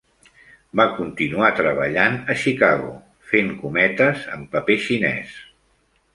Va continuar treballant a Chicago, fent cometes amb paper xinès.